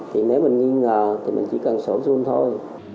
thì nếu mình nghi ngờ thì mình chỉ cần sổ xương thôi